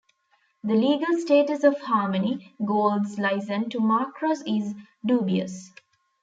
The legal status of Harmony Gold's license to Macross is dubious.